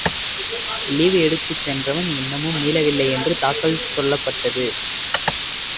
Leave எடுத்துச் சென்றவன் இன்னமும் மீளவில்லை என்று தாக்கல் சொல்லப்பட்டது.